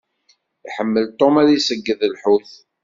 Iḥemmel Tom ad d-iṣeyyed lḥut.